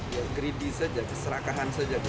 ya kredi saja keserakahan saja itu